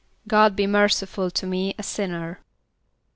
="God be merciful to me a sinner."